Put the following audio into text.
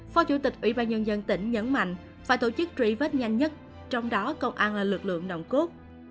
phó chủ tịch ủy ban nhân dân tỉnh nhấn mạnh phải tổ chức truy vết nhanh nhất trong đó công an là lực lượng nồng cốt